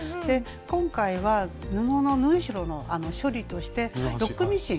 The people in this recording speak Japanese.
今回は布の縫い代の処理としてロックミシン。